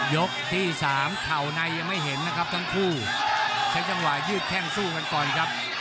ยกที่สามเข่าในยังไม่เห็นนะครับทั้งคู่ใช้จังหวะยืดแข้งสู้กันก่อนครับ